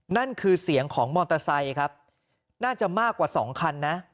นั่นคือเสียงของมอเตอร์ไซค์ครับน่าจะมากกว่า๒คันนะ